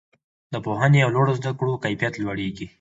د پوهنې او لوړو زده کړو کیفیت لوړیږي.